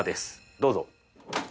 どうぞ。